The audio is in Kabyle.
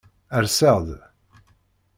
Rseɣ-d.